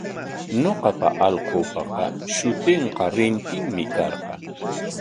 Ñuqa allqupa shutinqa Rintinmi karqan.